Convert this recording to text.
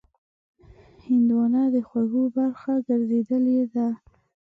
هندوانه د خوړو برخه ګرځېدلې ده.